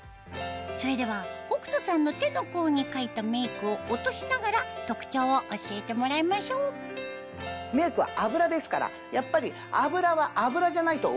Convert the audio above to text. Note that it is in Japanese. それでは北斗さんの手の甲に描いたメイクを落としながら特徴を教えてもらいましょうメイクは油ですからやっぱり油は油じゃないと落ちない。